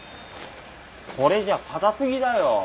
これじゃ硬すぎだよ。